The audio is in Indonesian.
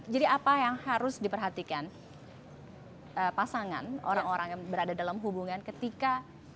jadi apa yang harus diperhatikan pasangan orang orang yang berada dalam hubungan ketika